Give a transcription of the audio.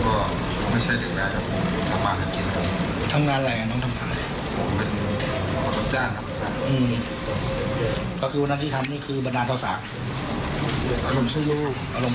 คุยกับผู้เสียหายนะครับผู้เสียหายก็เล่าเหตุการณ์ให้ฟัง